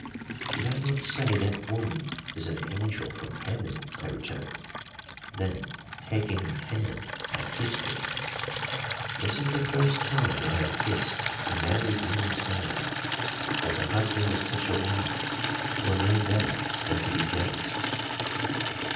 "Did I not say that woman is an angel from heaven," I returned; then, taking her hand, I kissed it. "This is the first time I have kissed a married woman's hand, but the husband of such a wife will know better than to be jealous."